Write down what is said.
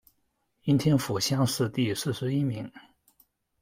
应天府乡试第四十一名。